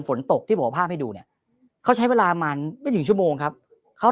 ฝนตกที่ผ่าให้ดูเนี่ยก็ใช้เวลามาไว้ถึงชั่วโมงครับเขา